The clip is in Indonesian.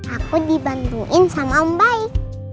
aku dibantuin sama om baik